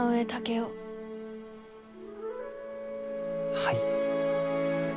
はい。